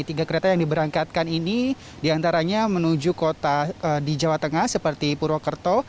tiga kereta yang diberangkatkan ini diantaranya menuju kota di jawa tengah seperti purwokerto